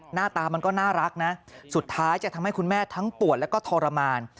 หน้าตามันก็น่ารักนะสุดท้ายจะทำให้คุณแม่ทั้งปวดแล้วก็ทรมาน